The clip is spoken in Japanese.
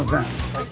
はい。